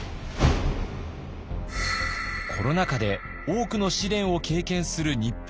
コロナ禍で多くの試練を経験する日本。